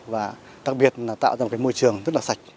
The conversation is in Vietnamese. và đặc biệt là tạo ra một cái môi trường rất là sạch